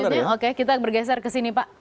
maksudnya oke kita bergeser ke sini pak